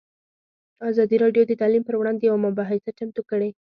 ازادي راډیو د تعلیم پر وړاندې یوه مباحثه چمتو کړې.